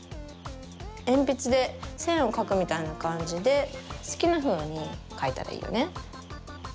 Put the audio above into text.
えんぴつでせんをかくみたいなかんじですきなふうにかいたらいいよね。